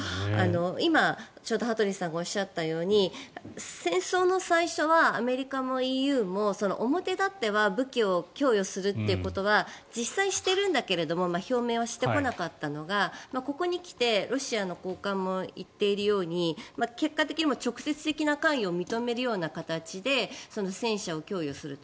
今、ちょうど羽鳥さんがおっしゃったように戦争の最初はアメリカもＥＵも表立っては武器を供与するということは実際、しているんだけど表明はしてこなかったのがここに来てロシアの高官も言っているように結果的に直接的な関与を認めるような形で戦車を供与すると。